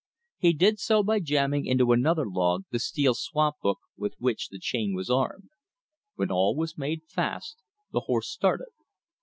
He did so by jamming into another log the steel swamp hook with which the chain was armed. When all was made fast, the horse started.